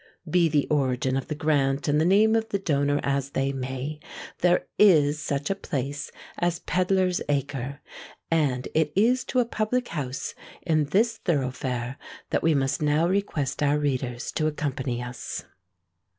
Be the origin of the grant and the name of the donor as they may, there is such a place as Pedlar's Acre; and it is to a public house in this thoroughfare that we must now request our readers to accompany us.